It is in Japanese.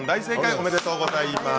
おめでとうございます。